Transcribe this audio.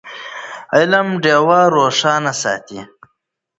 علم ډېوه روښانه ساتي.